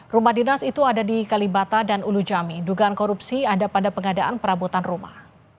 rumah dinas itu ada di kalibata dan ulu jami dugaan korupsi ada pada pengadaan perabotan rumah